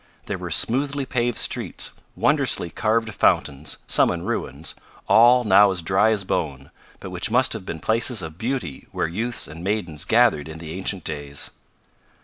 There were smoothly paved streets; wondrously carved fountains, some in ruins, all now as dry as bone, but which must have been places of beauty where youths and maidens gathered in the ancient days.